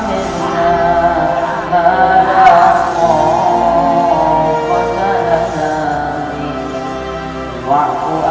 ibu bertahan bu